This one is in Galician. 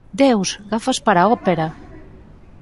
Deus, gafas para a ópera!